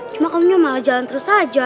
cuma kamu nyala malah jalan terus aja